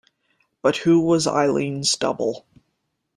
But who was Eileen's double.